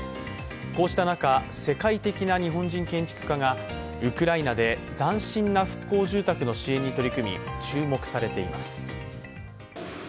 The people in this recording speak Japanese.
こうした中、世界的な日本人建築家がウクライナで斬新な復興住宅の支援に取り組み注目されています。